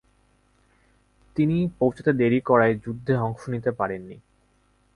তিনি পৌছাতে দেরি করায় যুদ্ধে অংশ নিতে পারেন নি।